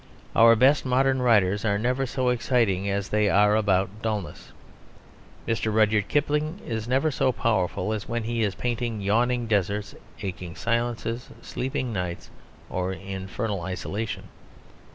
Our best modern writers are never so exciting as they are about dulness. Mr. Rudyard Kipling is never so powerful as when he is painting yawning deserts, aching silences, sleepless nights, or infernal isolation.